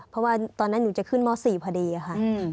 เพราะว่าตอนนั้นหนูจะขึ้นม๔พอดีค่ะ